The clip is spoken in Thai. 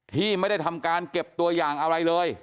ที่ไม่ได้ทำการเก็บตัวอย่างอะไรเลย